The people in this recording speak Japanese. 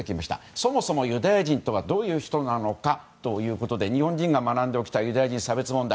そもそも、ユダヤ人とはどういう人なのかということで日本人が学んでおきたいユダヤ人差別問題。